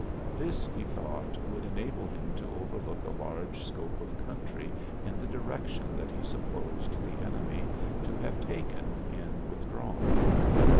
This he thought would enable him to overlook a large scope of country in the direction that he supposed the enemy to have taken in withdrawing.